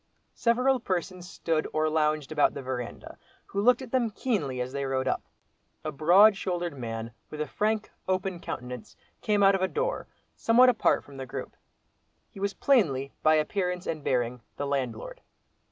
Several persons stood or lounged about the verandah, who looked at them keenly as they rode up. A broad shouldered man with a frank, open countenance, came out of a door, somewhat apart from the group. He was plainly, by appearance and bearing, the landlord.